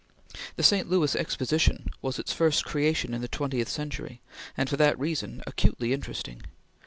The St. Louis Exposition was its first creation in the twentieth century, and, for that reason, acutely interesting.